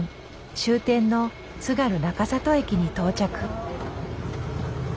終点の津軽中里駅に到着。